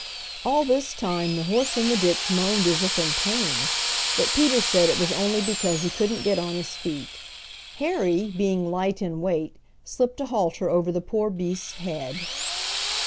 All this time the horse in the ditch moaned as if in pain, but Peter said it was only because he couldn't get on his feet. Harry, being light in weight, slipped a halter over the poor beast's head.